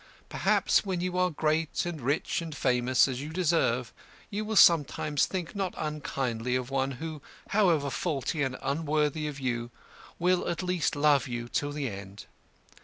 Perhaps when you are great, and rich, and famous, as you deserve, you will sometimes think not unkindly of one who, however faulty and unworthy of you, will at least love you till the end.